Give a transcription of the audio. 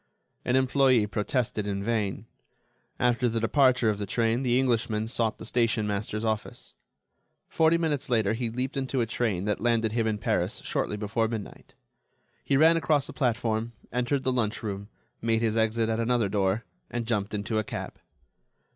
An employee protested in vain. After the departure of the train, the Englishman sought the station master's office. Forty minutes later he leaped into a train that landed him in Paris shortly before midnight. He ran across the platform, entered the lunch room, made his exit at another door, and jumped into a cab.